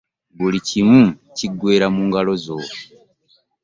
Buli kimu kiggwera mu ngalo zo.